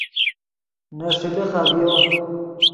نے ݰیلے خبیو